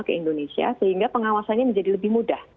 ke indonesia sehingga pengawasannya menjadi lebih mudah